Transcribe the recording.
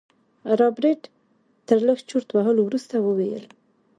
رابرټ تر لږ چورت وهلو وروسته وويل.